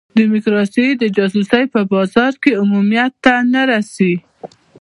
ډیموکراسي د جاسوسۍ په بازار کې عمومیت ته نه رسي.